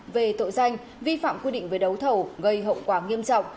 về tội danh vi phạm quy định về đấu thầu gây hậu quả nghiêm trọng